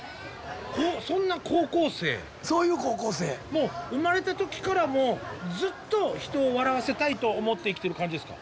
もう生まれた時からもうずっと人を笑わせたいと思って生きてる感じですか？